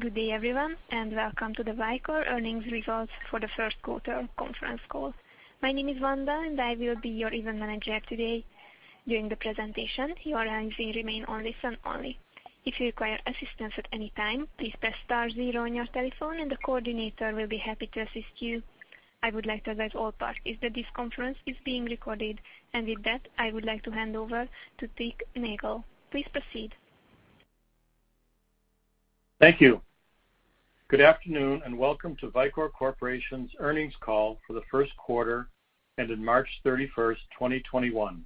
Good day, everyone, and welcome to the Vicor earnings results for the first quarter conference call. My name is Wanda, and I will be your event manager today. During the presentation, your lines will remain on listen only. If you require assistance at any time, please press star zero on your telephone and the coordinator will be happy to assist you. I would like to advise all parties that this conference is being recorded. With that, I would like to hand over to Dick Nagel. Please proceed. Thank you. Good afternoon, and welcome to Vicor Corporation's earnings call for the first quarter ended March 31st, 2021.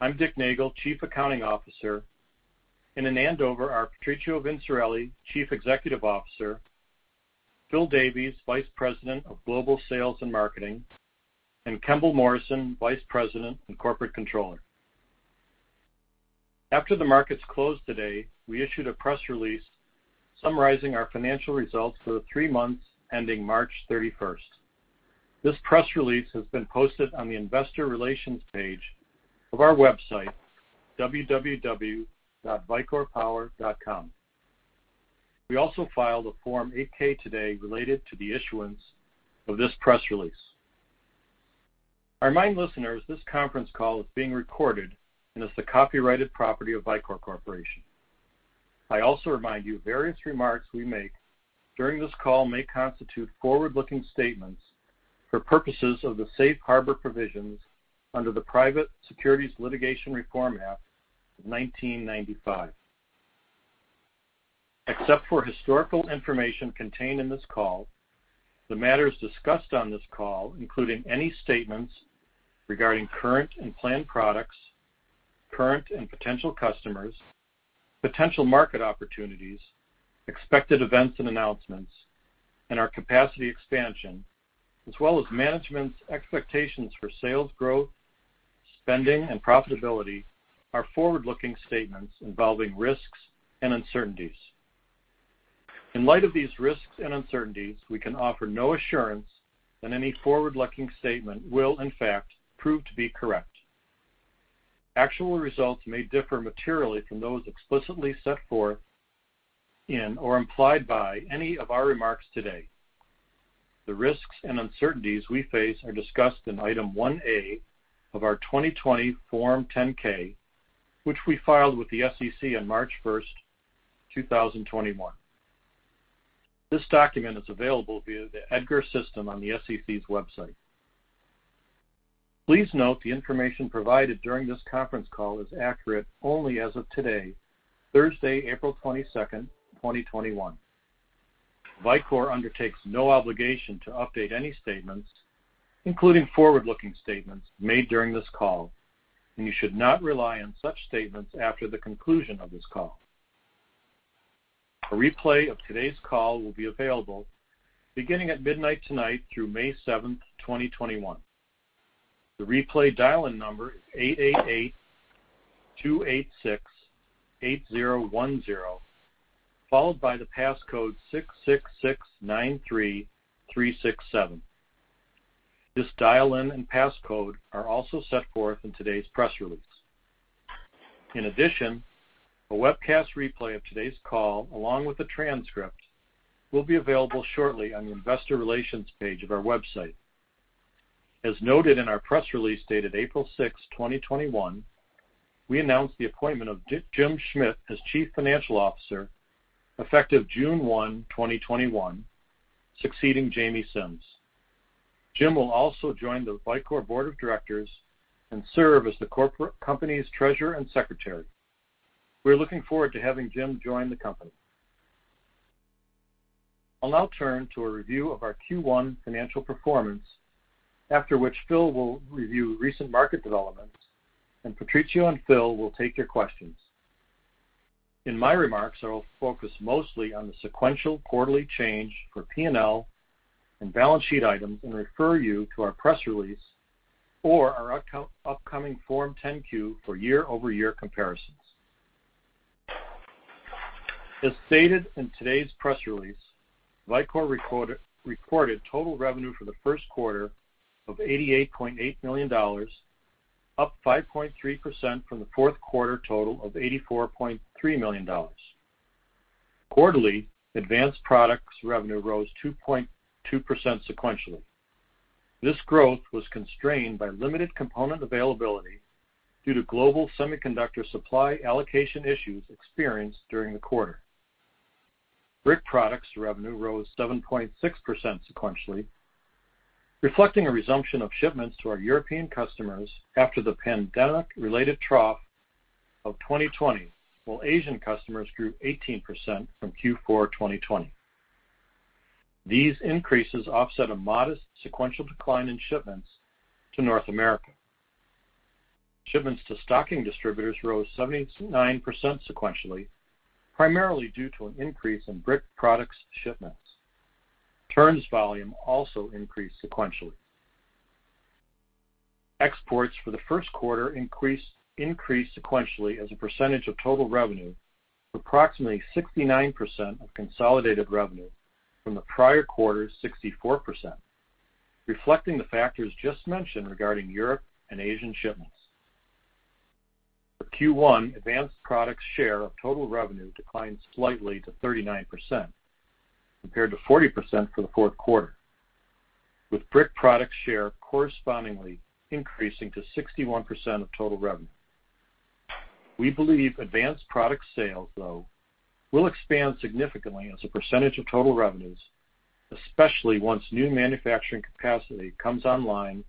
I'm Dick Nagel, Chief Accounting Officer, and I hand over our Patrizio Vinciarelli, Chief Executive Officer, Phil Davies, Vice President of Global Sales and Marketing, and Kemble Morrison, Vice President and Corporate Controller. After the markets closed today, we issued a press release summarizing our financial results for the three months ending March 31st. This press release has been posted on the investor relations page of our website, www.vicorpower.com. We also filed a Form 8-K today related to the issuance of this press release. I remind listeners this conference call is being recorded and is the copyrighted property of Vicor Corporation. I also remind you various remarks we make during this call may constitute forward-looking statements for purposes of the safe harbor provisions under the Private Securities Litigation Reform Act of 1995. Except for historical information contained in this call, the matters discussed on this call, including any statements regarding current and planned products, current and potential customers, potential market opportunities, expected events and announcements, and our capacity expansion, as well as management's expectations for sales growth, spending, and profitability, are forward-looking statements involving risks and uncertainties. In light of these risks and uncertainties, we can offer no assurance that any forward-looking statement will in fact prove to be correct. Actual results may differ materially from those explicitly set forth in or implied by any of our remarks today. The risks and uncertainties we face are discussed in Item 1A of our 2020 Form 10-K, which we filed with the SEC on March 1st, 2021. This document is available via the EDGAR system on the SEC's website. Please note the information provided during this conference call is accurate only as of today, Thursday, April 22nd, 2021. Vicor undertakes no obligation to update any statements, including forward-looking statements made during this call, and you should not rely on such statements after the conclusion of this call. A replay of today's call will be available beginning at midnight tonight through May 7th, 2021. The replay dial-in number is eight eight eight-two eight six-eight zero one zero, followed by the passcode six six six nine three three six seven. This dial-in and passcode are also set forth in today's press release. In addition, a webcast replay of today's call, along with a transcript, will be available shortly on the investor relations page of our website. As noted in our press release dated April 6th, 2021, we announced the appointment of Jim Schmidt as Chief Financial Officer effective June 1, 2021, succeeding James A. Simms. Jim will also join the Vicor Board of Directors and serve as the corporate company's Treasurer and Secretary. We are looking forward to having Jim join the company. I'll now turn to a review of our Q1 financial performance, after which Phil will review recent market developments, and Patrizio and Phil will take your questions. In my remarks, I will focus mostly on the sequential quarterly change for P&L and balance sheet items and refer you to our press release or our upcoming Form 10-Q for year-over-year comparisons. As stated in today's press release, Vicor reported total revenue for the first quarter of $88.8 million, up 5.3% from the fourth quarter total of $84.3 million. Quarterly advanced products revenue rose 2.2% sequentially. This growth was constrained by limited component availability due to global semiconductor supply allocation issues experienced during the quarter. Brick products revenue rose 7.6% sequentially, reflecting a resumption of shipments to our European customers after the pandemic-related trough of 2020, while Asian customers grew 18% from Q4 2020. These increases offset a modest sequential decline in shipments to North America. Shipments to stocking distributors rose 79% sequentially, primarily due to an increase in brick products shipments. Turns volume also increased sequentially. Exports for the first quarter increased sequentially as a percentage of total revenue to approximately 69% of consolidated revenue from the prior quarter's 64%, reflecting the factors just mentioned regarding Europe and Asian shipments. For Q1, advanced products share of total revenue declined slightly to 39%, compared to 40% for the fourth quarter, with brick products share correspondingly increasing to 61% of total revenue. We believe advanced product sales, though, will expand significantly as a percentage of total revenues, especially once new manufacturing capacity comes online,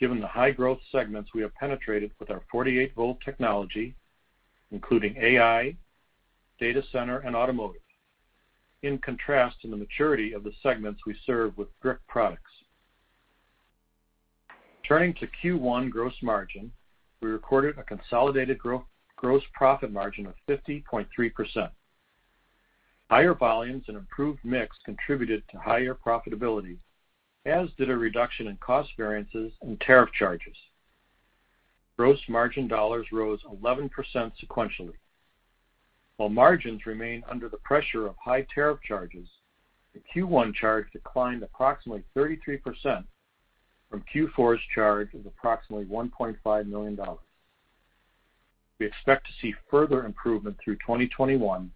given the high-growth segments we have penetrated with our 48-volt technology, including AI, data center, and automotive, in contrast to the maturity of the segments we serve with brick products. Turning to Q1 gross margin, we recorded a consolidated gross profit margin of 50.3%. Higher volumes and improved mix contributed to higher profitability, as did a reduction in cost variances and tariff charges. Gross margin dollars rose 11% sequentially. While margins remain under the pressure of high tariff charges, the Q1 charge declined approximately 33% from Q4's charge of approximately $1.5 million. We expect to see further improvement through 2021,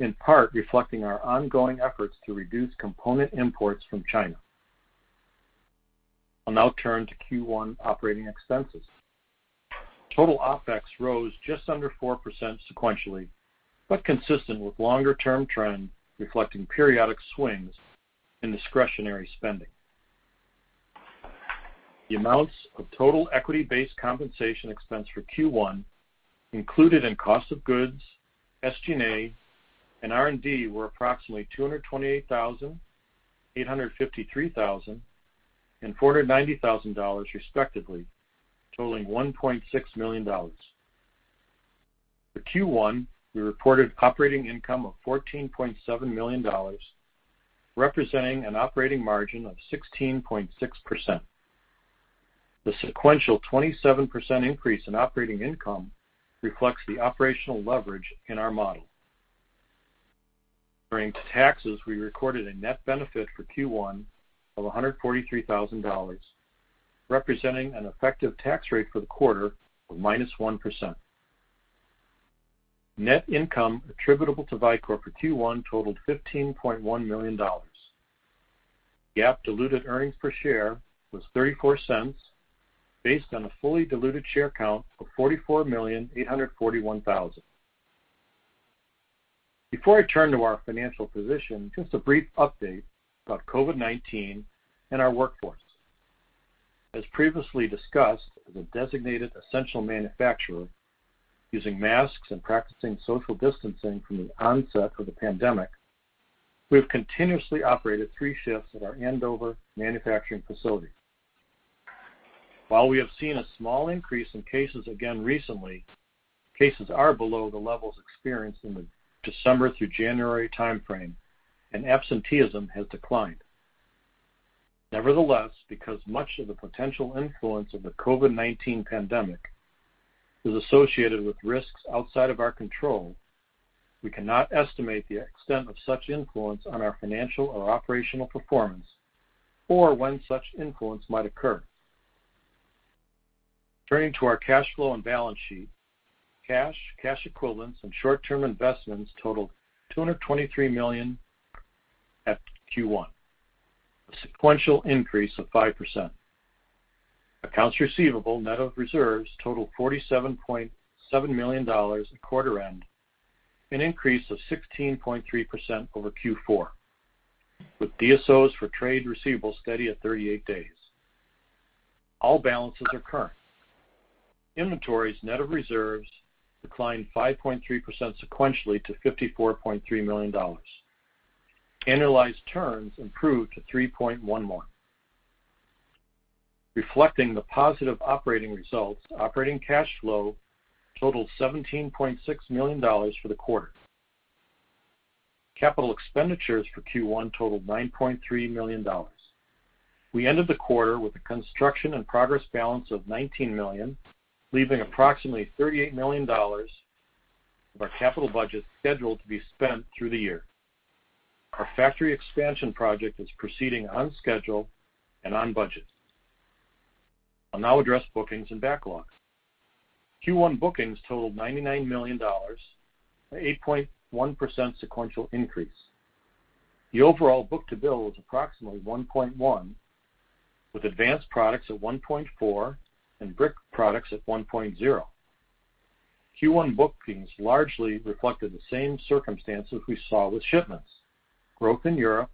in part reflecting our ongoing efforts to reduce component imports from China. I'll now turn to Q1 operating expenses. Total OpEx rose just under 4% sequentially, but consistent with longer-term trend, reflecting periodic swings in discretionary spending. The amounts of total equity-based compensation expense for Q1 included in cost of goods, SG&A, and R&D were approximately $228,000, $853,000, and $490,000 respectively, totaling $1.6 million. For Q1, we reported operating income of $14.7 million, representing an operating margin of 16.6%. The sequential 27% increase in operating income reflects the operational leverage in our model. Turning to taxes, we recorded a net benefit for Q1 of $143,000, representing an effective tax rate for the quarter of -1%. Net income attributable to Vicor for Q1 totaled $15.1 million. GAAP diluted earnings per share was $0.34 based on a fully diluted share count of 44,841,000. Before I turn to our financial position, just a brief update about COVID-19 and our workforce. As previously discussed, as a designated essential manufacturer, using masks and practicing social distancing from the onset of the pandemic, we have continuously operated three shifts at our Andover manufacturing facility. While we have seen a small increase in cases again recently, cases are below the levels experienced in the December through January timeframe, and absenteeism has declined. Nevertheless, because much of the potential influence of the COVID-19 pandemic is associated with risks outside of our control, we cannot estimate the extent of such influence on our financial or operational performance or when such influence might occur. Turning to our cash flow and balance sheet. Cash, cash equivalents, and short-term investments totaled $223 million at Q1, a sequential increase of 5%. Accounts receivable, net of reserves, totaled $47.7 million at quarter end, an increase of 16.3% over Q4, with DSOs for trade receivables steady at 38 days. All balances are current. Inventories, net of reserves, declined 5.3% sequentially to $54.3 million. Annualized turns improved to 3.1 months. Reflecting the positive operating results, operating cash flow totaled $17.6 million for the quarter. Capital expenditures for Q1 totaled $9.3 million. We ended the quarter with a construction and progress balance of $19 million, leaving approximately $38 million of our capital budget scheduled to be spent through the year. Our factory expansion project is proceeding on schedule and on budget. I'll now address bookings and backlogs. Q1 bookings totaled $99 million, an 8.1% sequential increase. The overall book-to-bill was approximately 1.1, with advanced products at 1.4 and brick products at 1.0. Q1 bookings largely reflected the same circumstances we saw with shipments, growth in Europe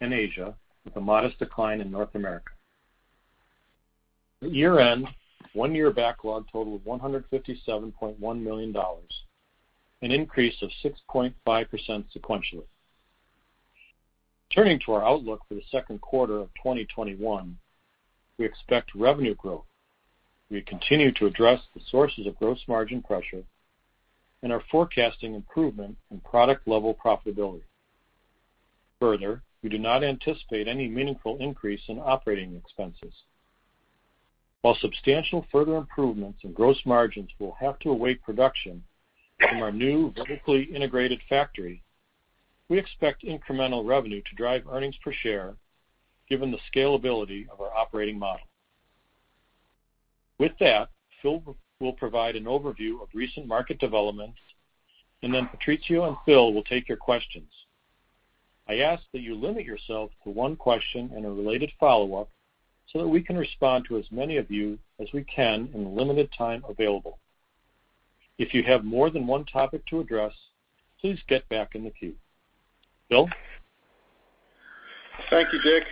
and Asia, with a modest decline in North America. At year-end, one-year backlog totaled $157.1 million, an increase of 6.5% sequentially. Turning to our outlook for the second quarter of 2021, we expect revenue growth. We continue to address the sources of gross margin pressure and are forecasting improvement in product-level profitability. We do not anticipate any meaningful increase in operating expenses. While substantial further improvements in gross margins will have to await production from our new vertically integrated factory. We expect incremental revenue to drive earnings per share given the scalability of our operating model. With that, Phil will provide an overview of recent market developments, and then Patrizio and Phil will take your questions. I ask that you limit yourself to one question and a related follow-up so that we can respond to as many of you as we can in the limited time available. If you have more than one topic to address, please get back in the queue. Phil? Thank you, Dick.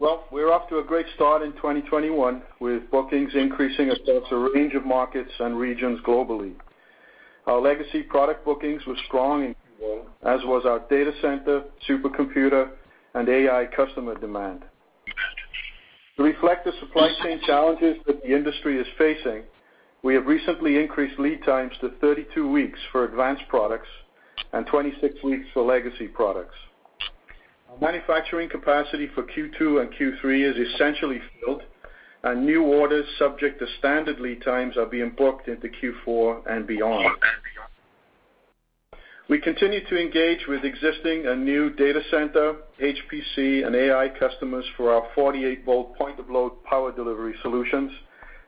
We're off to a great start in 2021, with bookings increasing across a range of markets and regions globally. Our legacy product bookings were strong, as was our data center, supercomputer, and AI customer demand. To reflect the supply chain challenges that the industry is facing, we have recently increased lead times to 32 weeks for advanced products and 26 weeks for legacy products. Our manufacturing capacity for Q2 and Q3 is essentially filled. New orders subject to standard lead times are being booked into Q4 and beyond. We continue to engage with existing and new data center, HPC, and AI customers for our 48-volt point-of-load power delivery solutions,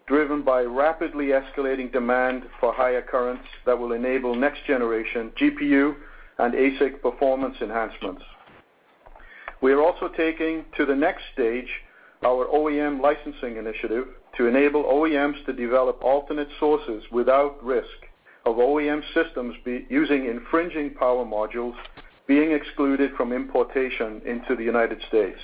driven by rapidly escalating demand for higher currents that will enable next-generation GPU and ASIC performance enhancements. We are also taking to the next stage our OEM licensing initiative to enable OEMs to develop alternate sources without risk of OEM systems using infringing power modules being excluded from importation into the United States.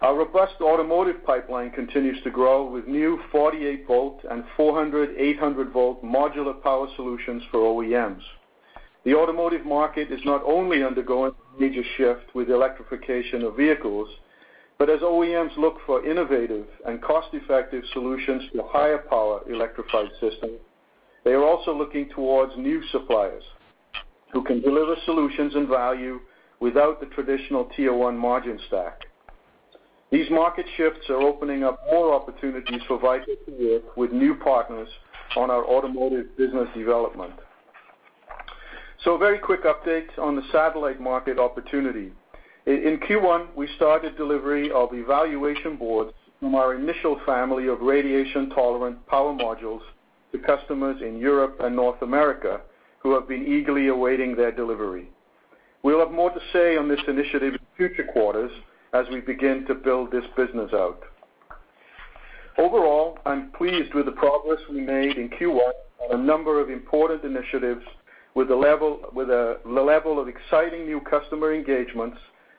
Our robust automotive pipeline continues to grow with new 48-volt and 400/800-volt modular power solutions for OEMs. The automotive market is not only undergoing a major shift with the electrification of vehicles, but as OEMs look for innovative and cost-effective solutions for higher power electrified systems, they are also looking towards new suppliers who can deliver solutions and value without the traditional tier one margin stack. These market shifts are opening up more opportunities for Vicor with new partners on our automotive business development. A very quick update on the satellite market opportunity. In Q1, we started delivery of evaluation boards from our initial family of radiation-tolerant power modules to customers in Europe and North America who have been eagerly awaiting their delivery. We'll have more to say on this initiative in future quarters as we begin to build this business out. Overall, I'm pleased with the progress we made in Q1 on a number of important initiatives with a level of exciting new customer engagements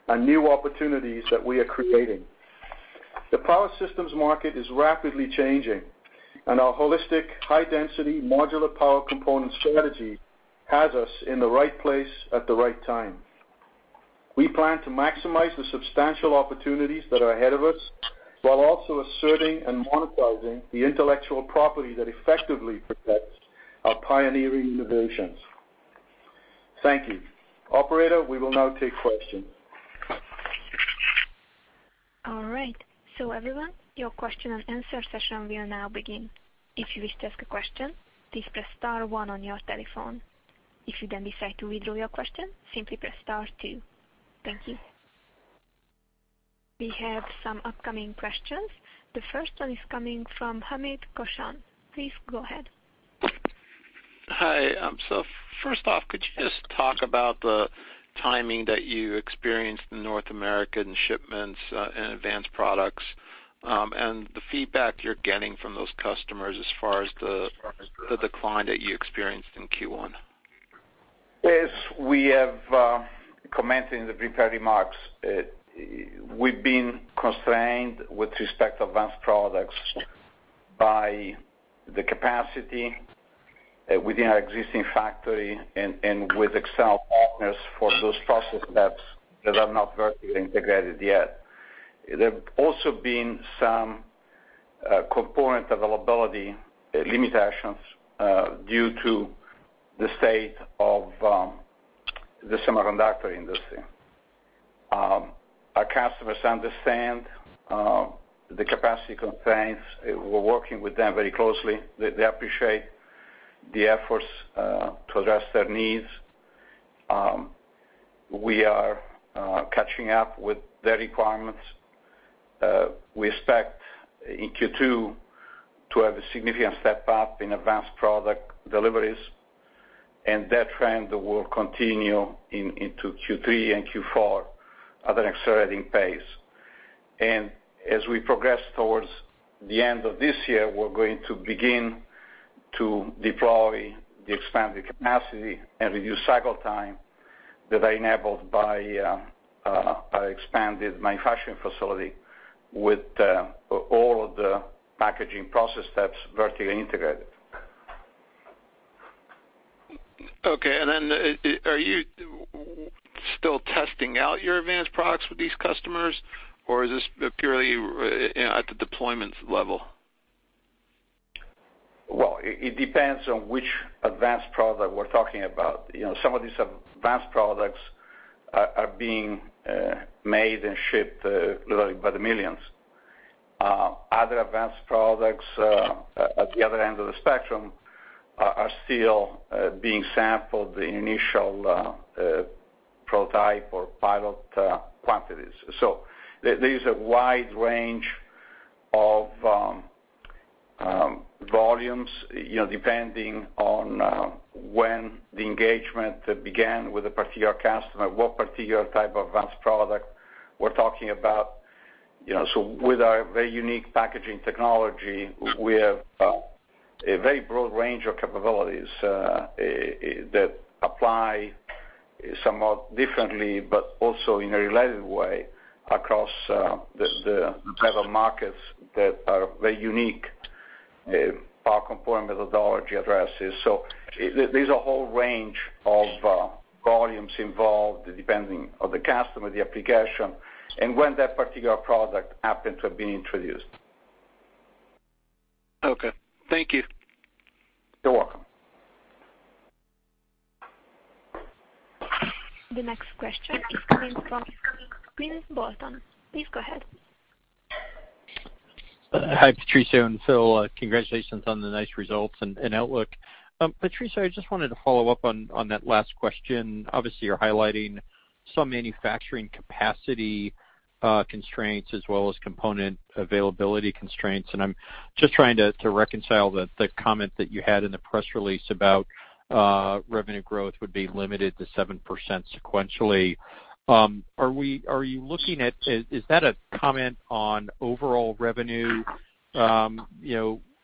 and new opportunities that we are creating. The power systems market is rapidly changing, and our holistic high-density modular power component strategy has us in the right place at the right time. We plan to maximize the substantial opportunities that are ahead of us, while also asserting and monetizing the intellectual property that effectively protects our pioneering innovations. Thank you. Operator, we will now take questions. All right, everyone, your question-and-answer session will now begin. If you wish to ask a question, please press star one on your telephone. If you then decide to withdraw your question, simply pres star two. Thank you. We have some upcoming questions. The first one is coming from Hamed Khorsand. Please go ahead. Hi. First off, could you just talk about the timing that you experienced in North American shipments in advanced products and the feedback you're getting from those customers as far as the decline that you experienced in Q1? As we have commented in the prepared remarks, we've been constrained with respect to advanced products by the capacity within our existing factory and with external partners for those process steps that are not vertically integrated yet. There have also been some component availability limitations due to the state of the semiconductor industry. Our customers understand the capacity constraints. We're working with them very closely. They appreciate the efforts to address their needs. We are catching up with their requirements. We expect in Q2 to have a significant step up in advanced product deliveries, and that trend will continue into Q3 and Q4 at an accelerating pace. As we progress towards the end of this year, we're going to begin to deploy the expanded capacity and reduce cycle time that are enabled by our expanded manufacturing facility with all of the packaging process steps vertically integrated. Okay, are you still testing out your advanced products with these customers, or is this purely at the deployment level? Well, it depends on which advanced product we're talking about. Some of these advanced products are being made and shipped literally by the millions Other advanced products at the other end of the spectrum are still being sampled, the initial prototype or pilot quantities. There is a wide range of volumes, depending on when the engagement began with a particular customer, what particular type of advanced product we're talking about. With our very unique packaging technology, we have a very broad range of capabilities that apply somewhat differently, but also in a related way across the type of markets that are very unique, our component methodology addresses. There's a whole range of volumes involved, depending on the customer, the application, and when that particular product happened to have been introduced. Okay. Thank you. You're welcome. The next question is coming from Quinn Bolton. Please go ahead. Hi, Patrizio and Phil. Congratulations on the nice results and outlook. Patrizio, I just wanted to follow up on that last question. Obviously, you're highlighting some manufacturing capacity constraints as well as component availability constraints, and I'm just trying to reconcile the comment that you had in the press release about revenue growth would be limited to 7% sequentially. Is that a comment on overall revenue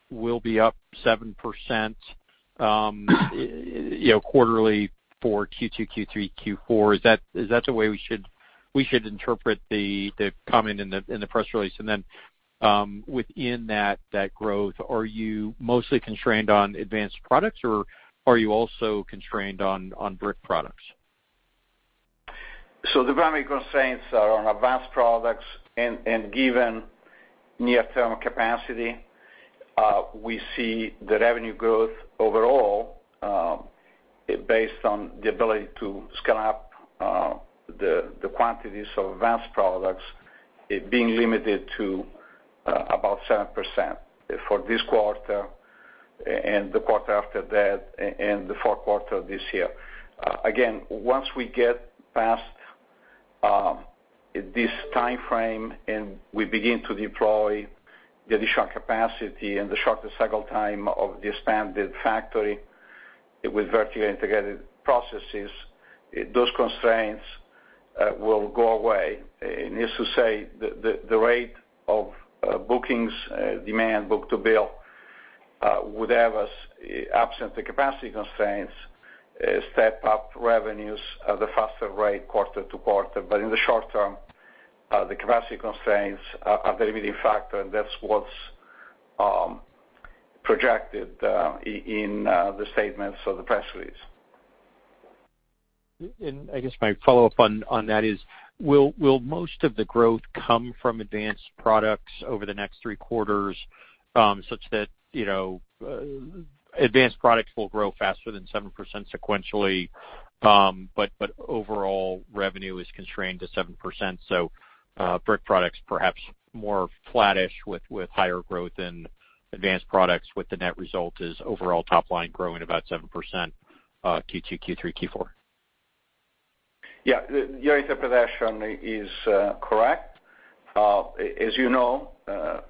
will be up 7% quarterly for Q2, Q3, Q4? Is that the way we should interpret the comment in the press release? Within that growth, are you mostly constrained on advanced products, or are you also constrained on brick products? The primary constraints are on advanced products, and given near-term capacity, we see the revenue growth overall, based on the ability to scale up the quantities of advanced products, it being limited to about 7% for this quarter and the quarter after that and the fourth quarter of this year. Once we get past this timeframe and we begin to deploy the additional capacity and the shorter cycle time of the expanded factory with vertically integrated processes, those constraints will go away. Needless to say, the rate of bookings, demand, book-to-bill, would have us, absent the capacity constraints, step up revenues at a faster rate quarter-to-quarter. In the short term, the capacity constraints are a limiting factor, and that's what's projected in the statements of the press release. I guess my follow-up on that is, will most of the growth come from advanced products over the next three quarters, such that advanced products will grow faster than 7% sequentially, but overall revenue is constrained to 7%? Brick products perhaps more flattish with higher growth in advanced products, with the net result is overall top line growing about 7% Q2, Q3, Q4. Yeah. Your interpretation is correct. As you know,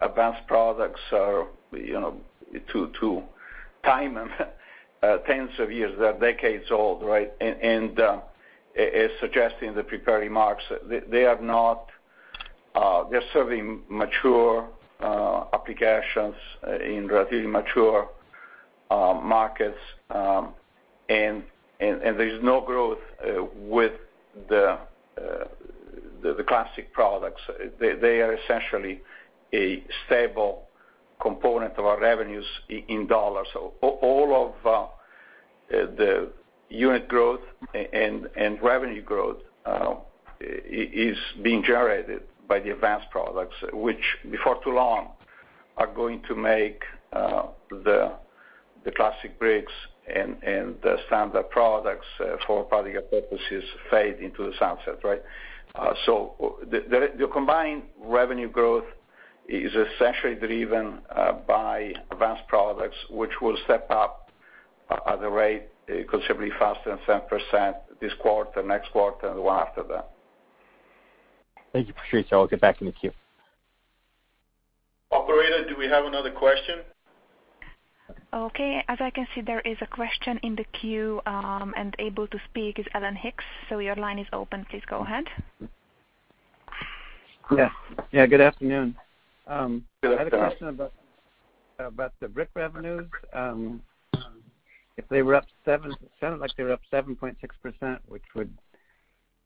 advanced products are, to time them, tens of years. They are decades old, right? As suggested in the prepared remarks, they're serving mature applications in relatively mature markets, and there's no growth with the classic products. They are essentially a stable component of our revenues in dollars. All of the unit growth and revenue growth is being generated by the advanced products, which before too long are going to make the classic bricks and the standard products for all practical purposes fade into the sunset, right? The combined revenue growth is essentially driven by advanced products, which will step up at a rate considerably faster than 7% this quarter, next quarter, and the one after that. Thank you, Patrizio. I'll get back in the queue. Operator, do we have another question? Okay. As I can see, there is a question in the queue. Able to speak is Alan Hicks. Your line is open. Please go ahead. Yeah. Good afternoon. Good afternoon. I had a question about the brick revenues. It sounded like they were up 7.6%, which would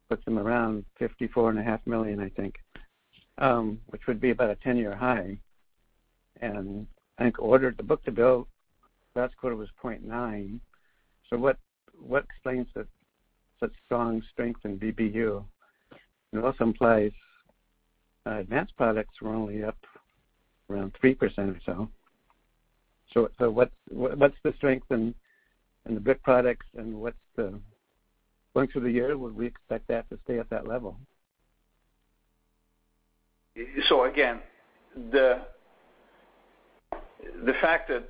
put them around $54.5 million, I think, which would be about a 10-year high. I think the book-to-bill last quarter was 0.9. What explains that such strong strength in BBU? It also implies advanced products were only up around 3% or so. What's the strength in the brick products and going through the year, would we expect that to stay at that level? Again, the fact that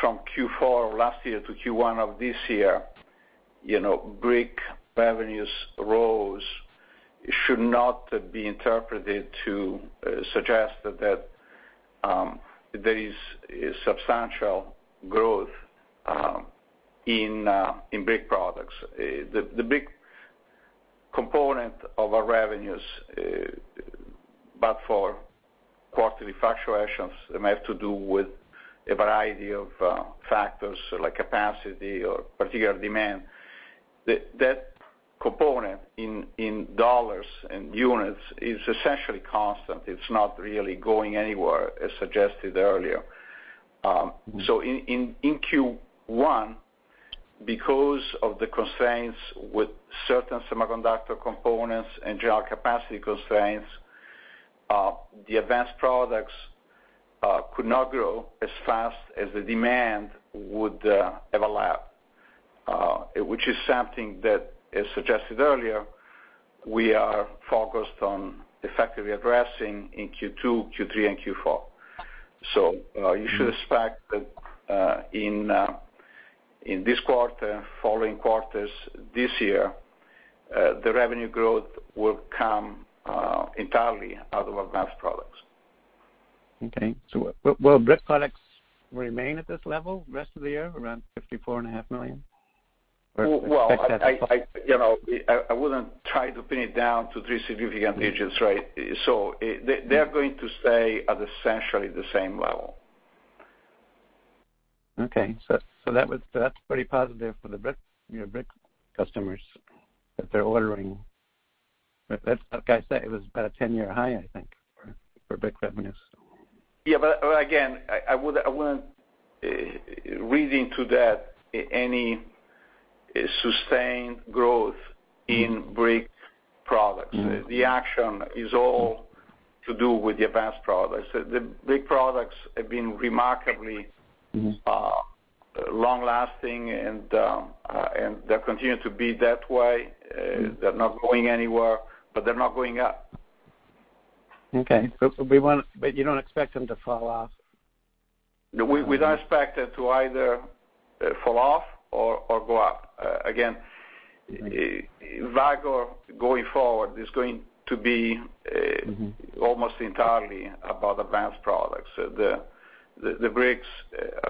from Q4 of last year to Q1 of this year, brick revenues rose should not be interpreted to suggest that there is substantial growth in brick products. The big component of our revenues, but for quarterly fluctuations may have to do with a variety of factors like capacity or particular demand. That component in dollars and units is essentially constant. It's not really going anywhere, as suggested earlier. In Q1, because of the constraints with certain semiconductor components and general capacity constraints, the advanced products could not grow as fast as the demand would have allowed, which is something that is suggested earlier, we are focused on effectively addressing in Q2, Q3, and Q4. You should expect that in this quarter, following quarters this year, the revenue growth will come entirely out of advanced products. Okay. Will brick products remain at this level rest of the year, around $54.5 million, or expect that to fall? Well, I wouldn't try to pin it down to three significant digits, right? They're going to stay at essentially the same level. Okay. That's pretty positive for the brick customers that they're ordering. Like I said, it was about a 10-year high, I think, for brick revenues. Yeah. Again, I wouldn't read into that any sustained growth in brick products. The action is all to do with the advanced products. The brick products have been remarkably. Long-lasting, and they'll continue to be that way. They're not going anywhere, but they're not going up. Okay. You don't expect them to fall off? We don't expect it to either fall off or go up. Almost entirely about advanced products. The bricks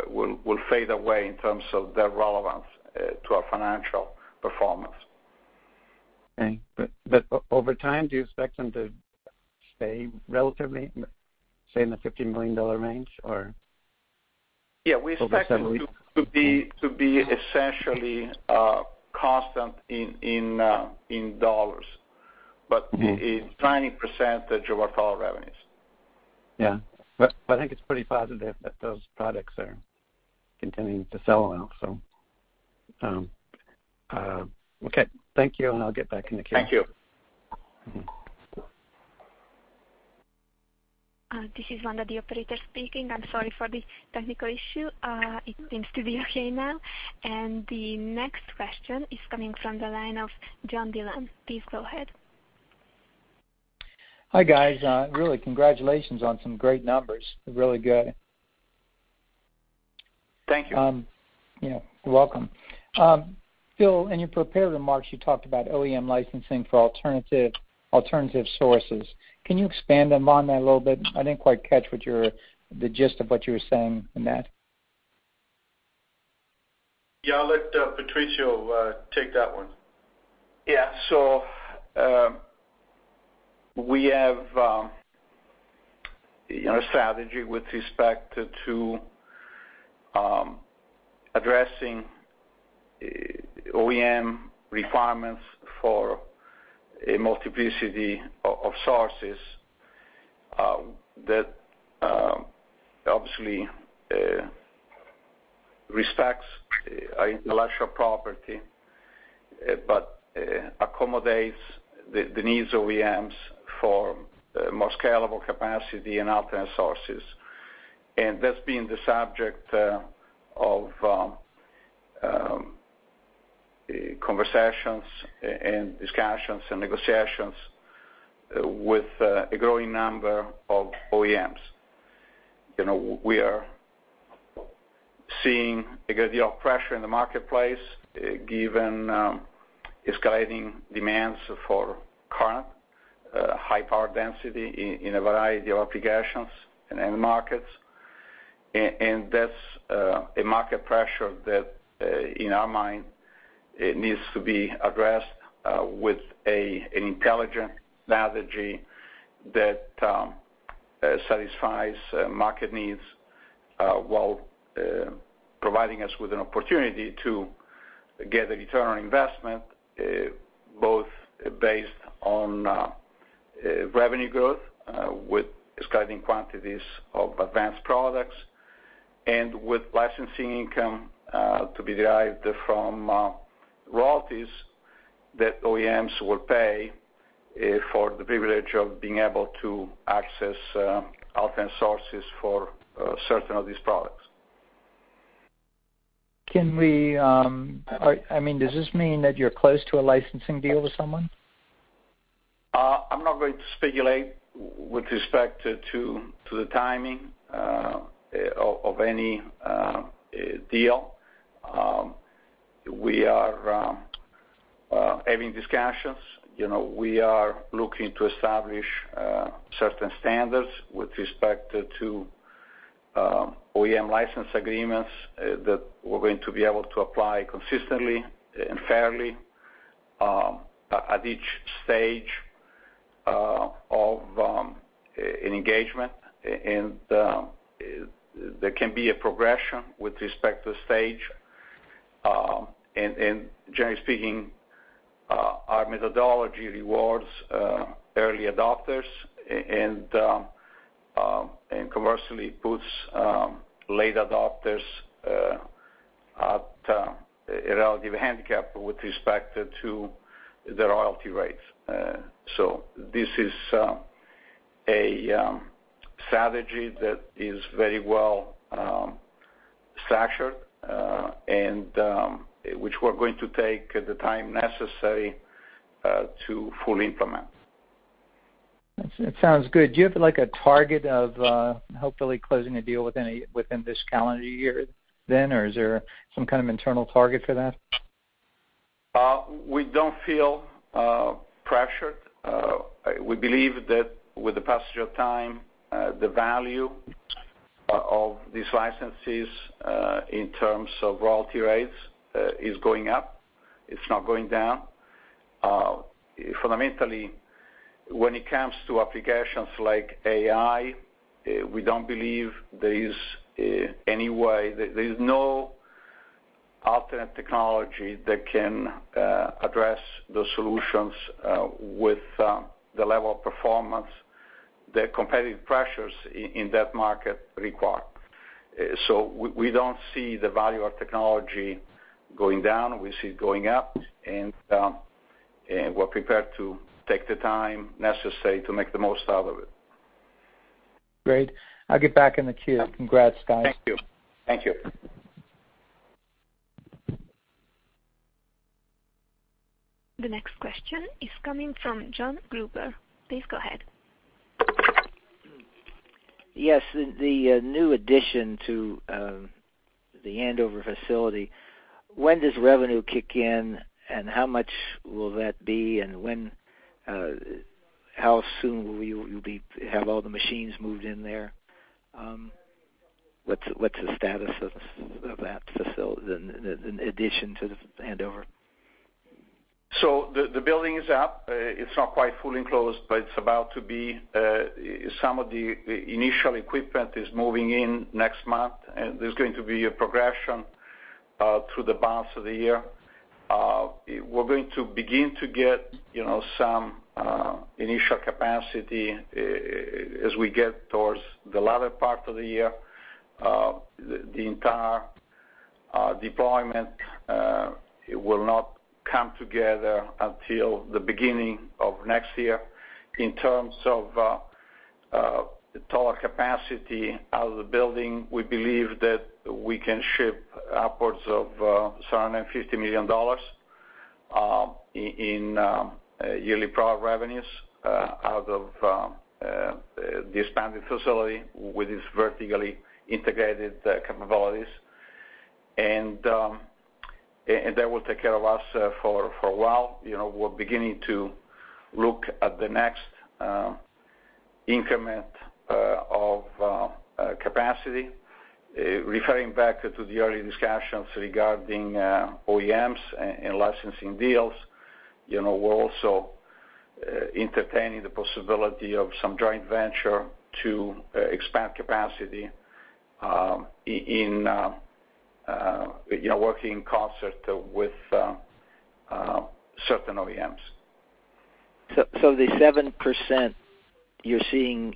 will fade away in terms of their relevance to our financial performance. Okay. Over time, do you expect them to stay relatively, say, in the $15 million range? Yeah. Over several years. To be essentially constant in dollars. A tiny percentage of our total revenues. Yeah. I think it's pretty positive that those products are continuing to sell well. Okay, thank you. I'll get back in the queue. Thank you. This is Wanda, the operator speaking. I'm sorry for the technical issue. It seems to be okay now. The next question is coming from the line of John Dillon. Please go ahead. Hi, guys. Really congratulations on some great numbers. Really good. Thank you. You're welcome. Phil, in your prepared remarks, you talked about OEM licensing for alternative sources. Can you expand on that a little bit? I didn't quite catch the gist of what you were saying in that. Yeah. I'll let Patrizio take that one. Yeah. We have a strategy with respect to addressing OEM requirements for a multiplicity of sources, that obviously respects intellectual property, but accommodates the needs of OEMs for more scalable capacity and alternate sources. That's been the subject of conversations and discussions and negotiations with a growing number of OEMs. We are seeing a good deal of pressure in the marketplace given escalating demands for current high power density in a variety of applications and end markets. That's a market pressure that in our mind, it needs to be addressed with an intelligent strategy that satisfies market needs, while providing us with an opportunity to get a return on investment, both based on revenue growth with escalating quantities of advanced products and with licensing income to be derived from royalties. That OEMs will pay for the privilege of being able to access alternate sources for certain of these products. Does this mean that you're close to a licensing deal with someone? I'm not going to speculate with respect to the timing of any deal. We are having discussions. We are looking to establish certain standards with respect to OEM license agreements that we're going to be able to apply consistently and fairly at each stage of an engagement. There can be a progression with respect to stage. Generally speaking, our methodology rewards early adopters, and commercially puts late adopters at a relative handicap with respect to the royalty rates. This is a strategy that is very well structured, and which we're going to take the time necessary to fully implement. That sounds good. Do you have a target of hopefully closing a deal within this calendar year then? Is there some kind of internal target for that? We don't feel pressured. We believe that with the passage of time, the value of these licenses, in terms of royalty rates, is going up. It's not going down. Fundamentally, when it comes to applications like AI, we don't believe there is any way, there is no alternate technology that can address the solutions with the level of performance that competitive pressures in that market require. We don't see the value of technology going down. We see it going up, and we're prepared to take the time necessary to make the most out of it. Great. I'll get back in the queue. Congrats, guys. Thank you. The next question is coming from Jon Gruber. Please go ahead. Yes. The new addition to the Andover facility, when does revenue kick in? How much will that be? How soon will you have all the machines moved in there? What's the status of that addition to Andover? The building is up. It's not quite fully enclosed, but it's about to be. Some of the initial equipment is moving in next month, and there's going to be a progression through the balance of the year. We're going to begin to get some initial capacity as we get towards the latter part of the year. The entire deployment will not come together until the beginning of next year. In terms of the total capacity out of the building, we believe that we can ship upwards of $750 million in yearly product revenues out of the expanded facility with its vertically integrated capabilities. That will take care of us for a while. We're beginning to look at the next increment of capacity. Referring back to the earlier discussions regarding OEMs and licensing deals, we're also entertaining the possibility of some joint venture to expand capacity working in concert with certain OEMs. The 7% you're seeing,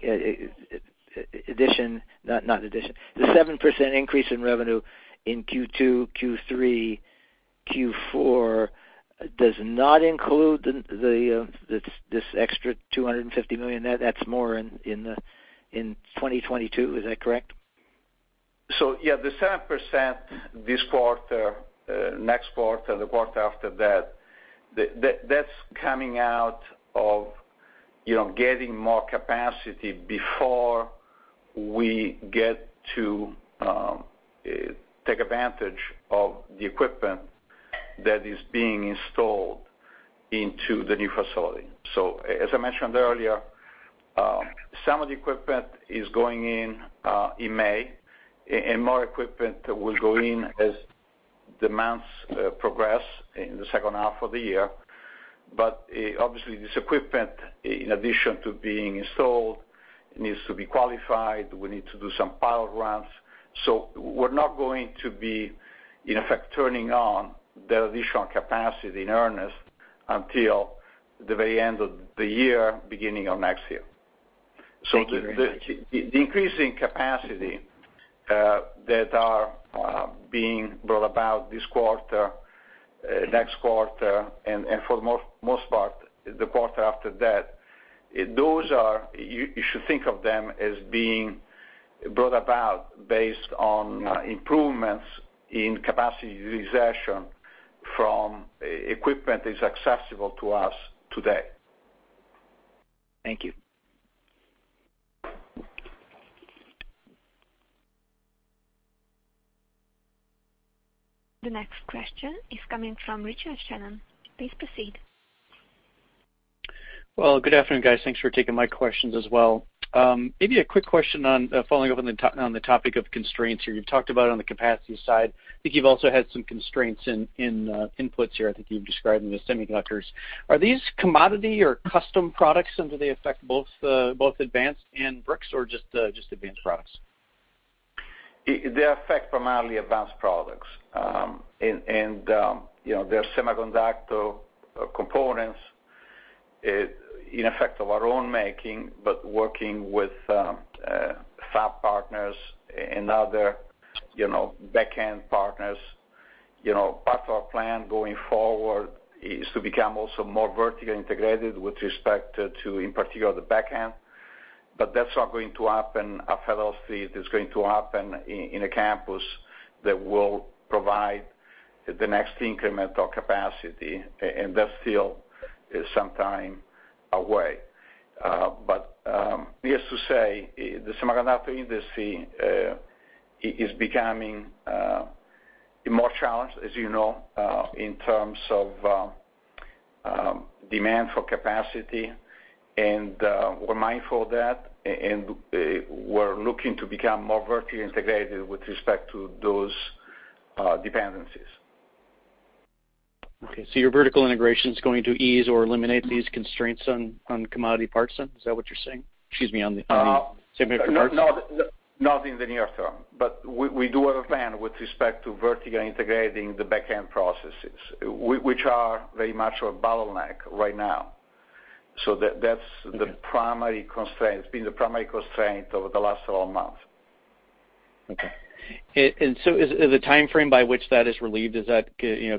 not addition, the 7% increase in revenue in Q2, Q3, Q4 does not include this extra $250 million. That's more in 2022, is that correct? Yeah, the 7% this quarter, next quarter, the quarter after that's coming out of getting more capacity before we get to take advantage of the equipment that is being installed into the new facility. As I mentioned earlier, some of the equipment is going in in May, and more equipment will go in as the months progress in the second half of the year. Obviously, this equipment, in addition to being installed, needs to be qualified. We need to do some pilot runs. We're not going to be, in effect, turning on the additional capacity in earnest until the very end of the year, beginning of next year. The increase in capacity that are being brought about this quarter, next quarter, and for the most part, the quarter after that, you should think of them as being brought about based on improvements in capacity utilization from equipment that is accessible to us today. Thank you. The next question is coming from Richard Shannon. Please proceed. Well, good afternoon, guys. Thanks for taking my questions as well. A quick question on following up on the topic of constraints here. You've talked about on the capacity side, I think you've also had some constraints in inputs here. I think you've described them as semiconductors. Are these commodity or custom products, and do they affect both advanced and bricks or just advanced products? They affect primarily advanced products. They're semiconductor components in effect of our own making, but working with fab partners and other back-end partners. Part of our plan going forward is to become also more vertically integrated with respect to, in particular, the back-end. That's not going to happen at Federal Street. It's going to happen in a campus that will provide the next incremental capacity, and that's still some time away. Needless to say, the semiconductor industry is becoming more challenged, as you know, in terms of demand for capacity, and we're mindful of that, and we're looking to become more vertically integrated with respect to those dependencies. Okay, your vertical integration is going to ease or eliminate these constraints on commodity parts, then? Is that what you're saying? Excuse me, on the semiconductor parts. Not in the near term, but we do have a plan with respect to vertically integrating the back-end processes, which are very much a bottleneck right now. That's been the primary constraint over the last 12 months. The timeframe by which that is relieved, is that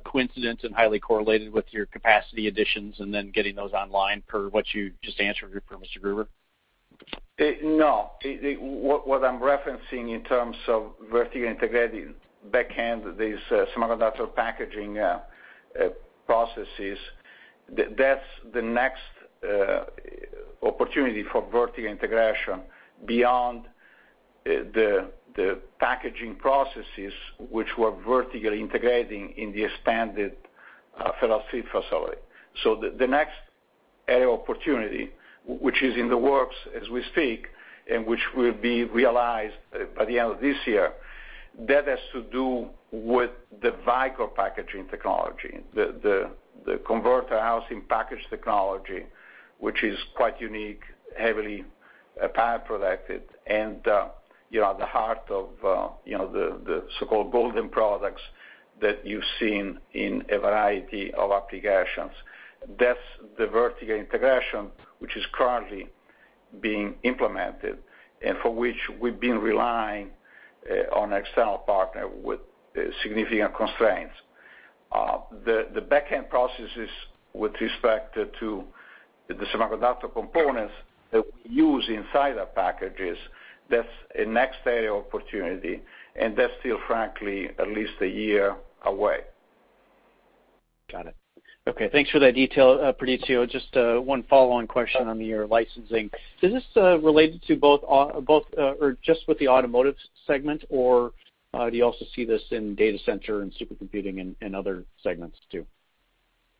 coincident and highly correlated with your capacity additions and then getting those online per what you just answered for Mr. Gruber? No. What I'm referencing in terms of vertically integrating back end, these semiconductor packaging processes, that's the next opportunity for vertical integration beyond the packaging processes which we're vertically integrating in the expanded Federal Seed facility. The next area of opportunity, which is in the works as we speak and which will be realized by the end of this year, that has to do with the Vicor packaging technology, the Converter housed in Package technology, which is quite unique, heavily patent protected, and the heart of the so-called golden products that you've seen in a variety of applications. That's the vertical integration, which is currently being implemented and for which we've been relying on external partner with significant constraints. The back-end processes with respect to the semiconductor components that we use inside our packages, that's a next area of opportunity, and that's still frankly, at least a year away. Got it. Okay, thanks for that detail, Patrizio. Just one follow-on question on your licensing. Is this related to both or just with the automotive segment, or do you also see this in data center and supercomputing and other segments, too?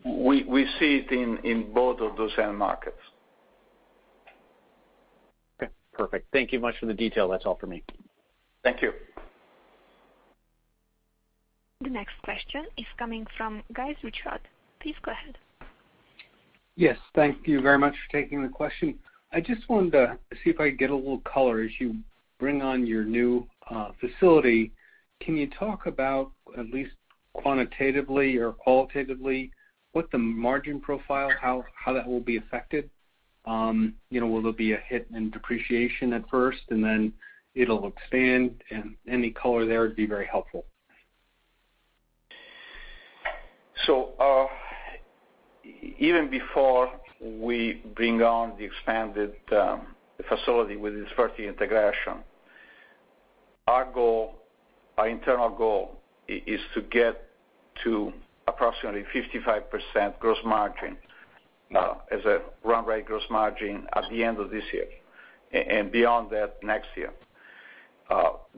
We see it in both of those end markets. Okay, perfect. Thank you much for the detail. That's all for me. Thank you. The next question is coming from Gus Richard. Please go ahead. Yes, thank you very much for taking the question. I just wanted to see if I could get a little color. As you bring on your new facility, can you talk about at least quantitatively or qualitatively what the margin profile, how that will be affected? Will there be a hit in depreciation at first and then it'll expand? Any color there would be very helpful. Even before we bring on the expanded facility with this vertical integration, our internal goal is to get to approximately 55% gross margin as a run rate gross margin at the end of this year and beyond that next year.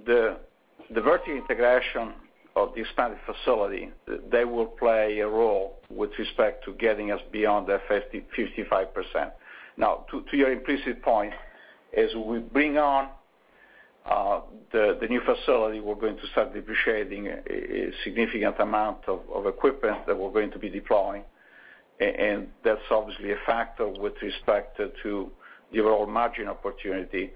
The vertical integration of the expanded facility, they will play a role with respect to getting us beyond that 55%. To your implicit point, as we bring on the new facility, we're going to start depreciating a significant amount of equipment that we're going to be deploying, and that's obviously a factor with respect to the overall margin opportunity.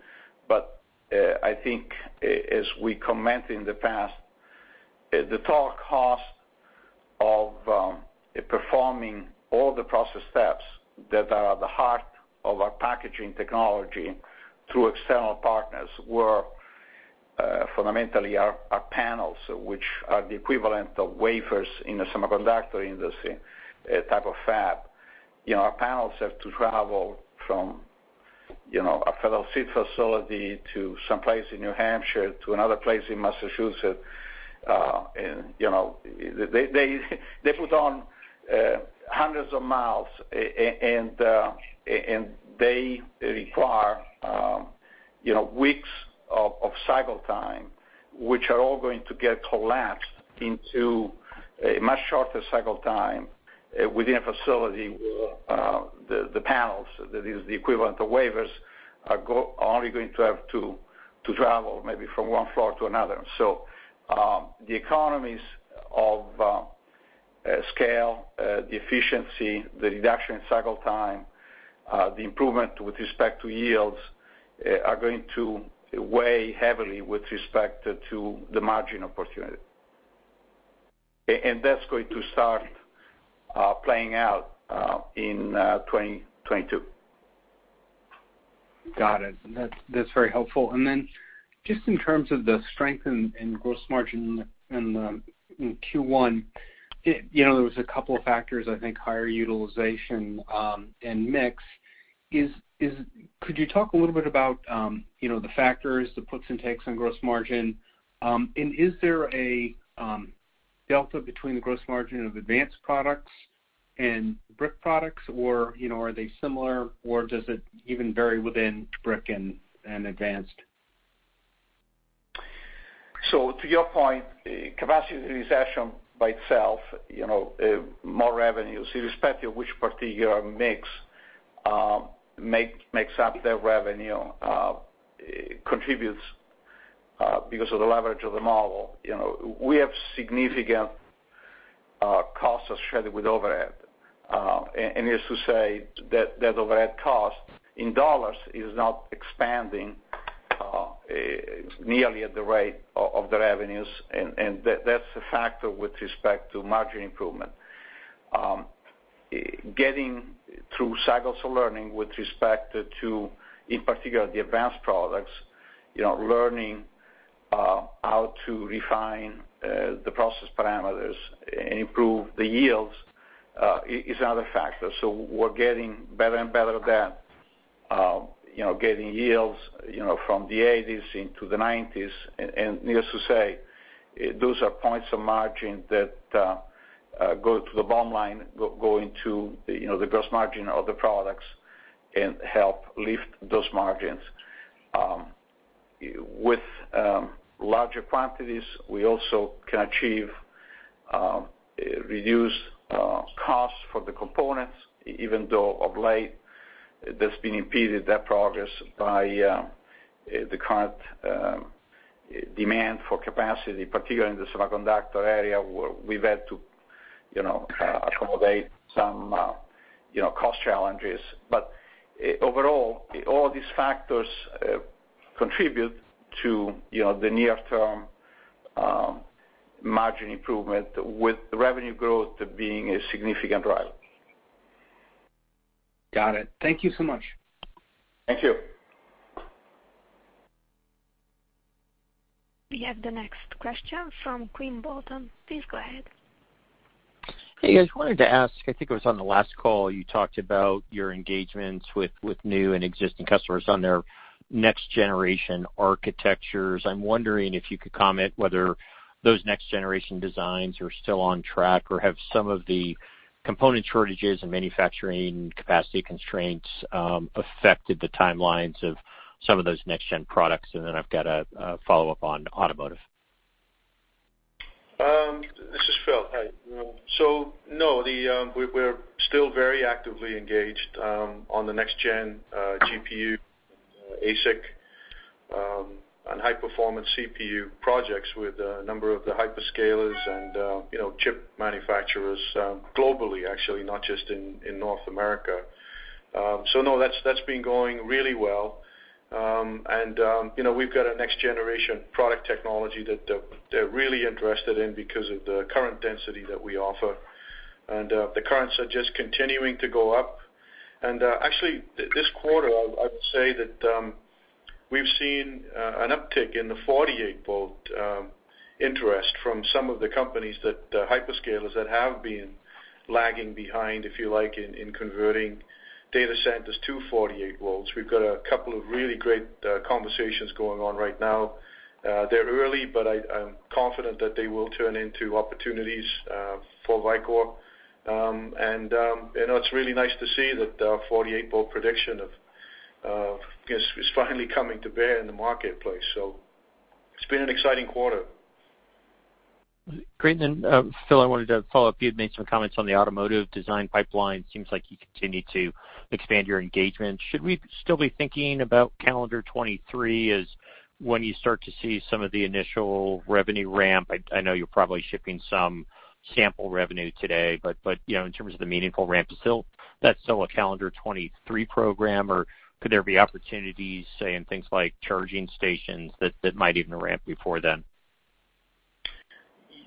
I think as we comment in the past. The total cost of performing all the process steps that are at the heart of our packaging technology through external partners were fundamentally our panels, which are the equivalent of wafers in the semiconductor industry, type of fab. Our panels have to travel from a Fellow Seed facility to some place in New Hampshire to another place in Massachusetts. They put on hundreds of miles, and they require weeks of cycle time, which are all going to get collapsed into a much shorter cycle time within a facility where the panels, that is the equivalent of wafers, are only going to have to travel maybe from one floor to another. The economies of scale, the efficiency, the reduction in cycle time, the improvement with respect to yields, are going to weigh heavily with respect to the margin opportunity. That's going to start playing out in 2022. Got it. That's very helpful. Just in terms of the strength in gross margin in Q1, there was a couple of factors, I think higher utilization and mix. Could you talk a little bit about the factors, the puts and takes on gross margin? Is there a delta between the gross margin of advanced products and brick products, or are they similar, or does it even vary within brick and advanced? To your point, capacity utilization by itself, more revenues, irrespective of which particular mix makes up that revenue, contributes because of the leverage of the model. We have significant costs associated with overhead. Needless to say, that overhead cost in dollars is not expanding nearly at the rate of the revenues, and that's a factor with respect to margin improvement. Getting through cycles of learning with respect to, in particular, the advanced products, learning how to refine the process parameters and improve the yields, is another factor. We're getting better and better at that, getting yields from the 80s into the 90s. Needless to say, those are points of margin that go to the bottom line, go into the gross margin of the products, and help lift those margins. With larger quantities, we also can achieve reduced costs for the components, even though of late, that's been impeded, that progress, by the current demand for capacity, particularly in the semiconductor area, where we've had to accommodate some cost challenges. Overall, all these factors contribute to the near-term margin improvement, with revenue growth being a significant driver. Got it. Thank you so much. Thank you. We have the next question from Quinn Bolton. Please go ahead. Hey, Gus. Wanted to ask, I think it was on the last call, you talked about your engagements with new and existing customers on their next-generation architectures. I'm wondering if you could comment whether those next-generation designs are still on track, or have some of the component shortages and manufacturing capacity constraints affected the timelines of some of those next-gen products? I've got a follow-up on automotive. This is Phil. Hi. No, we're still very actively engaged on the next-gen GPU, ASIC, and high-performance CPU projects with a number of the hyperscalers and chip manufacturers globally, actually, not just in North America. No, that's been going really well. We've got a next-generation product technology that they're really interested in because of the current density that we offer. The currents are just continuing to go up. Actually, this quarter, I would say that we've seen an uptick in the 48-volt interest from some of the companies, the hyperscalers that have been lagging behind, if you like, in converting data centers to 48 volts. We've got a couple of really great conversations going on right now. They're early, but I'm confident that they will turn into opportunities for Vicor. It's really nice to see that the 48-volt prediction is finally coming to bear in the marketplace. It's been an exciting quarter. Great. Phil, I wanted to follow up. You had made some comments on the automotive design pipeline. Seems like you continue to expand your engagement. Should we still be thinking about calendar 2023 as when you start to see some of the initial revenue ramp? I know you're probably shipping some sample revenue today, but in terms of the meaningful ramp, is that still a calendar 2023 program, or could there be opportunities, say, in things like charging stations that might even ramp before then?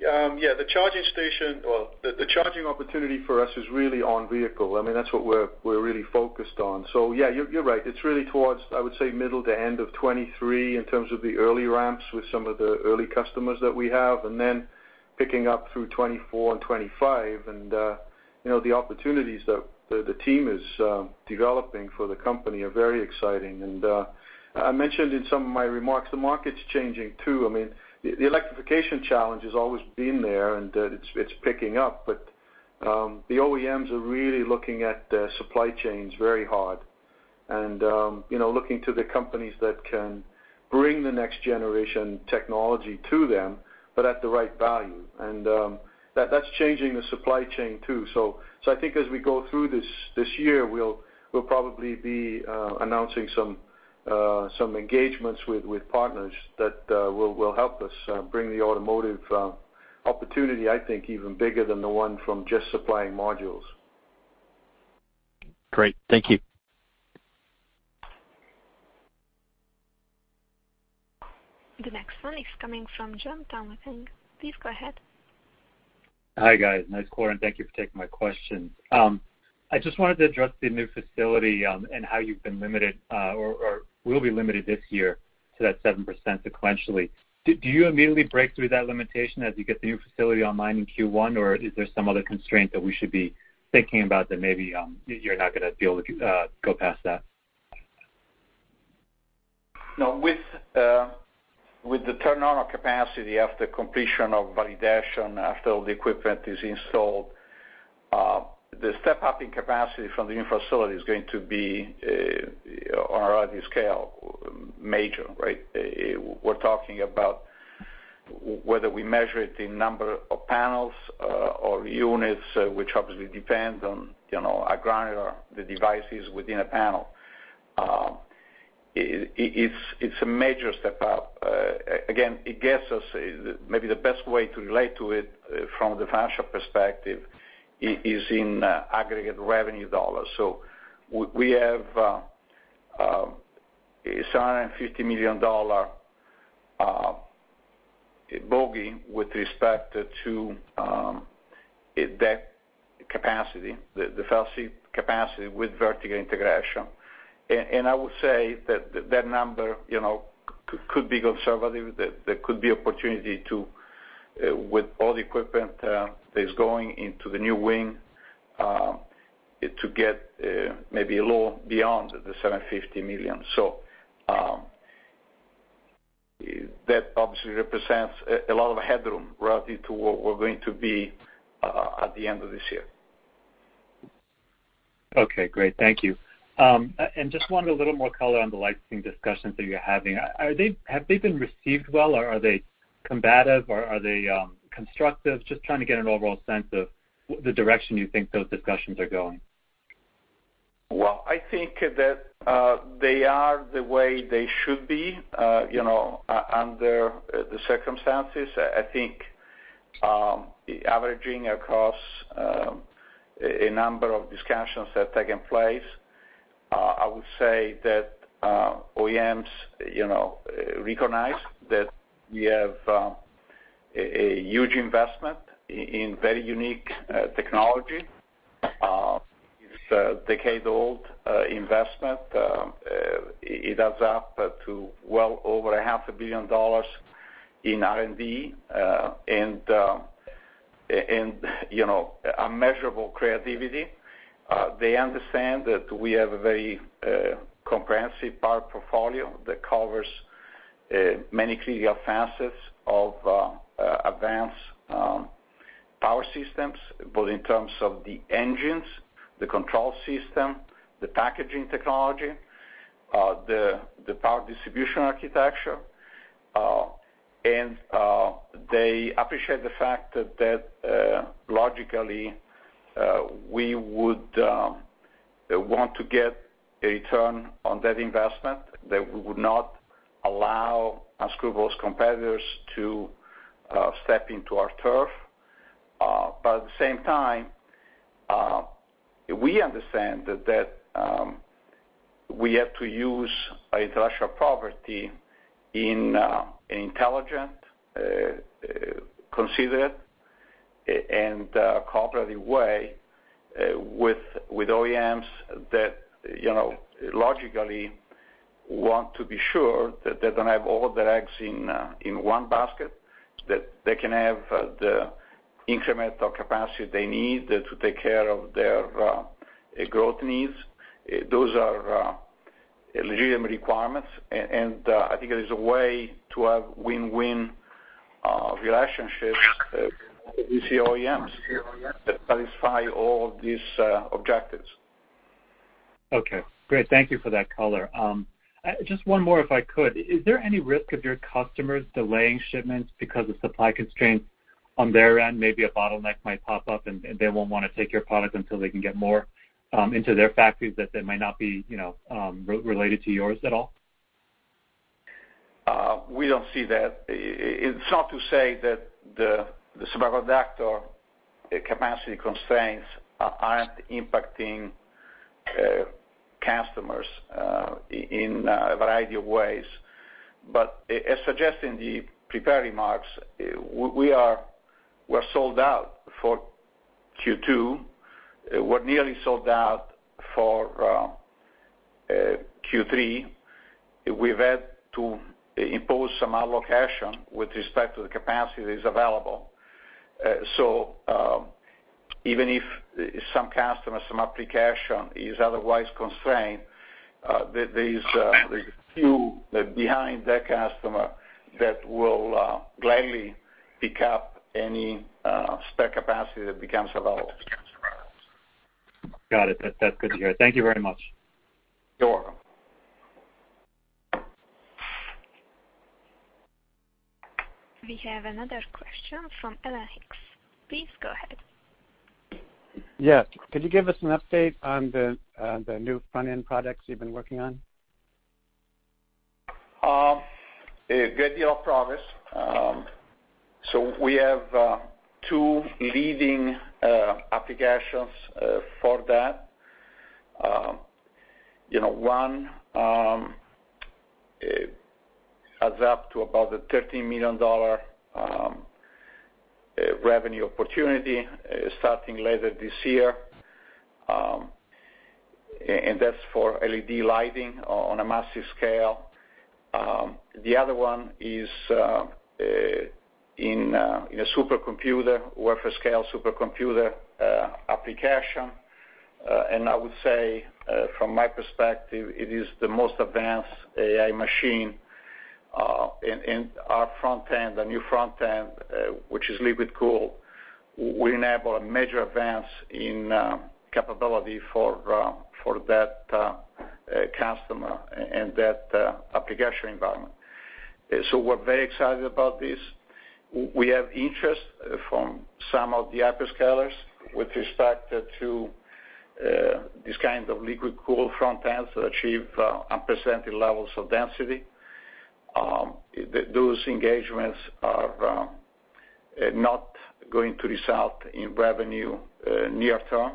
Yeah, the charging station, well, the charging opportunity for us is really on vehicle. That's what we're really focused on. Yeah, you're right. It's really towards, I would say, middle to end of 2023 in terms of the early ramps with some of the early customers that we have, and then picking up through 2024 and 2025. The opportunities that the team is developing for the company are very exciting. I mentioned in some of my remarks, the market's changing, too. The electrification challenge has always been there, and it's picking up. The OEMs are really looking at the supply chains very hard and looking to the companies that can bring the next-generation technology to them, but at the right value. That's changing the supply chain, too. I think as we go through this year, we'll probably be announcing some engagements with partners that will help us bring the automotive opportunity, I think, even bigger than the one from just supplying modules. Great. Thank you. The next one is coming from Jonathan Tanwanteng, I think. Please go ahead. Hi, guys. Nice quarter, and thank you for taking my question. I just wanted to address the new facility and how you've been limited or will be limited this year to that 7% sequentially. Do you immediately break through that limitation as you get the new facility online in Q1? Or is there some other constraint that we should be thinking about that maybe you're not going to be able to go past that? No. With the turn-on of capacity after completion of validation, after all the equipment is installed, the step-up in capacity from the new facility is going to be on a relative scale, major, right? We're talking about whether we measure it in number of panels or units, which obviously depends on the devices within a panel. It's a major step-up. Again, maybe the best way to relate to it from the financial perspective is in aggregate revenue dollars. We have a $750 million bogey with respect to that capacity, the facility capacity with vertical integration. I would say that number could be conservative. There could be opportunity to, with all the equipment that is going into the new wing, to get maybe a little beyond the $750 million. That obviously represents a lot of headroom relative to what we're going to be at the end of this year. Okay, great. Thank you. I just wanted a little more color on the licensing discussions that you're having. Have they been received well, or are they combative or are they constructive? I'm just trying to get an overall sense of the direction you think those discussions are going. Well, I think that they are the way they should be under the circumstances. I think averaging across a number of discussions that have taken place, I would say that OEMs recognize that we have a huge investment in very unique technology. It's a decade-old investment. It adds up to well over a half a billion dollars in R&D and immeasurable creativity. They understand that we have a very comprehensive power portfolio that covers many critical facets of advanced power systems, both in terms of the engines, the control system, the packaging technology, the power distribution architecture. And they appreciate the fact that logically, we would want to get a return on that investment, that we would not allow unscrupulous competitors to step into our turf. At the same time, we understand that we have to use intellectual property in an intelligent, considered, and cooperative way with OEMs that logically want to be sure that they don't have all their eggs in one basket, that they can have the incremental capacity they need to take care of their growth needs. Those are legitimate requirements, and I think there is a way to have win-win relationships with these OEMs that satisfy all these objectives. Okay, great. Thank you for that color. Just one more, if I could. Is there any risk of your customers delaying shipments because of supply constraints on their end? Maybe a bottleneck might pop up, and they won't want to take your product until they can get more into their factories that might not be related to yours at all. We don't see that. It's not to say that the survivor factor capacity constraints aren't impacting customers in a variety of ways. As suggested in the prepared remarks, we're sold out for Q2. We're nearly sold out for Q3. We've had to impose some allocation with respect to the capacity that is available. Even if some customers, some application is otherwise constrained, there's a few behind that customer that will gladly pick up any spare capacity that becomes available. Got it. That's good to hear. Thank you very much. You're welcome. We have another question from Alan Hicks. Please go ahead. Yes. Could you give us an update on the new front-end products you've been working on? A good deal of progress. We have two leading applications for that. One has up to about a $13 million revenue opportunity starting later this year, and that's for LED lighting on a massive scale. The other one is in a supercomputer, wafer scale supercomputer application. I would say, from my perspective, it is the most advanced AI machine in our front end, the new front end, which is liquid cooled, will enable a major advance in capability for that customer and that application environment. We're very excited about this. We have interest from some of the hyperscalers with respect to these kinds of liquid cooled front ends that achieve unprecedented levels of density. Those engagements are not going to result in revenue near term.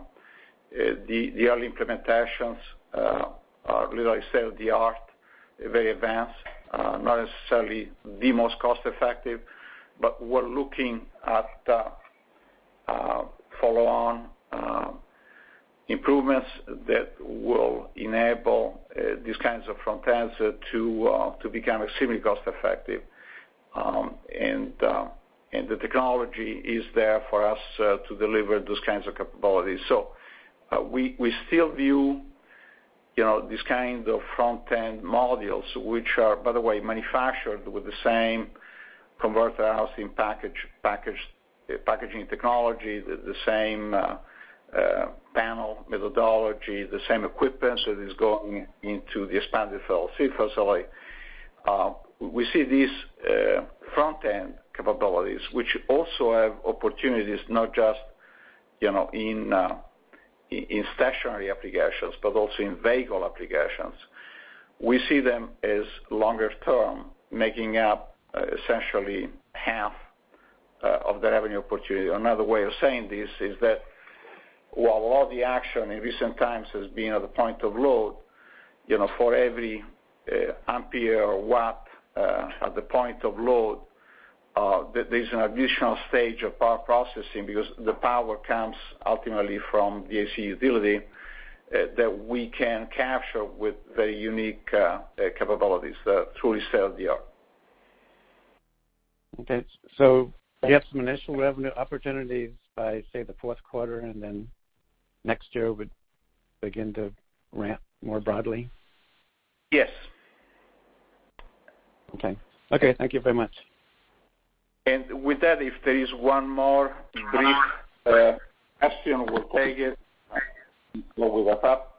The early implementations are literally state-of-the-art, very advanced, not necessarily the most cost-effective, but we're looking at follow-on improvements that will enable these kinds of front ends to become extremely cost-effective. The technology is there for us to deliver those kinds of capabilities. We still view these kind of front-end modules, which are, by the way, manufactured with the same converter housing packaging technology, the same panel methodology, the same equipment that is going into the expanded facility. We see these front-end capabilities, which also have opportunities not just in stationary applications, but also in vehicle applications. We see them as longer term, making up essentially half of the revenue opportunity. Another way of saying this is that while all the action in recent times has been at the point-of-load, for every ampere or watt at the point-of-load, there's an additional stage of power processing because the power comes ultimately from the AC utility, that we can capture with very unique capabilities that are truly state-of-the-art. Okay. You have some initial revenue opportunities by, say, the fourth quarter, and then next year would begin to ramp more broadly? Yes. Okay. Thank you very much. With that, if there is one more brief question, we'll take it, and then we wrap up.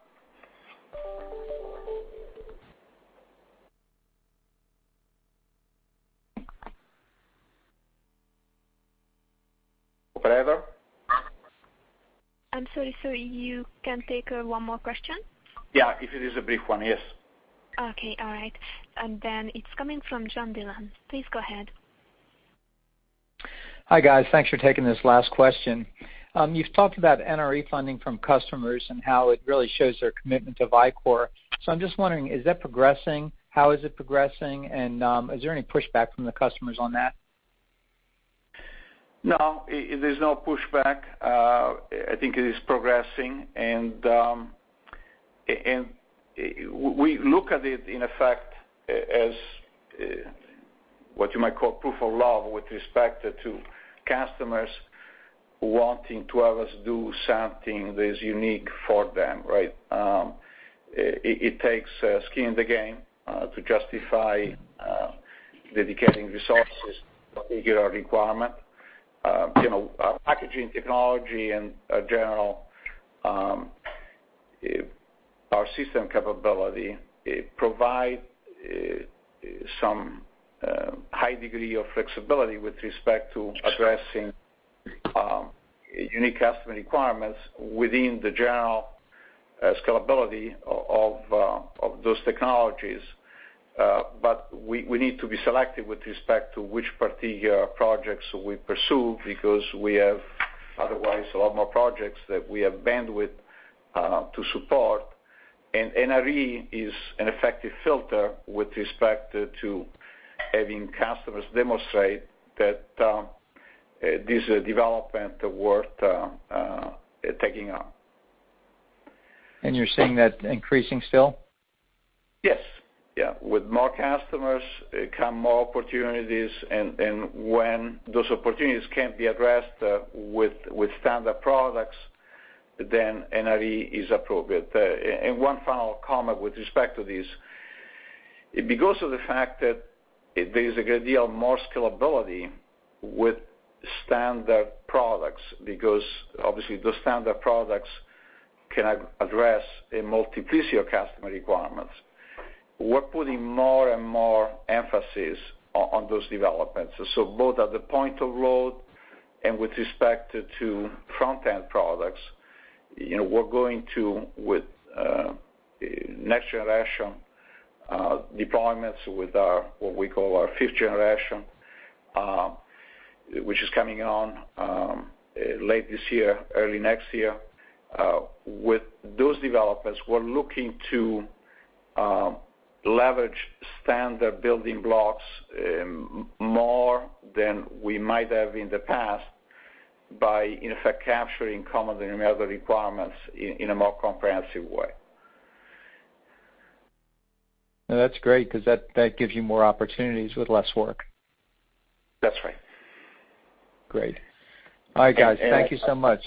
Operator? I'm sorry, sir. You can take one more question? Yeah, if it is a brief one, yes. Okay. All right. It's coming from John Dillon. Please go ahead. Hi, guys. Thanks for taking this last question. You've talked about NRE funding from customers and how it really shows their commitment to Vicor. I'm just wondering, is that progressing? How is it progressing? Is there any pushback from the customers on that? No, there's no pushback. I think it is progressing, and we look at it in effect as what you might call proof of love with respect to customers wanting to have us do something that is unique for them, right? It takes skin in the game to justify dedicating resources to a particular requirement. Our packaging technology and general system capability provide some high degree of flexibility with respect to addressing unique customer requirements within the general scalability of those technologies. We need to be selective with respect to which particular projects we pursue, because we have otherwise a lot more projects that we have bandwidth to support. NRE is an effective filter with respect to having customers demonstrate that this development worth taking on. You're seeing that increasing still? Yes. Yeah. With more customers come more opportunities. When those opportunities can't be addressed with standard products, then NRE is appropriate. One final comment with respect to this. Because of the fact that there's a good deal more scalability with standard products, because obviously those standard products can address a multiplicity of customer requirements, we're putting more and more emphasis on those developments. Both at the point-of-load and with respect to front-end products, we're going to, with next generation deployments, with what we call our fifth generation, which is coming on late this year, early next year, with those developments, we're looking to leverage standard building blocks more than we might have in the past by, in effect, capturing common denominator requirements in a more comprehensive way. That's great, because that gives you more opportunities with less work. That's right. Great. All right, guys. Thank you so much.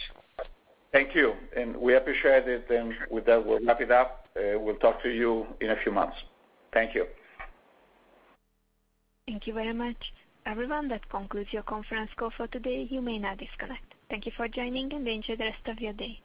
Thank you. We appreciate it, and with that, we'll wrap it up. We'll talk to you in a few months. Thank you. Thank you very much. Everyone, that concludes your conference call for today. You may now disconnect. Thank you for joining, and enjoy the rest of your day.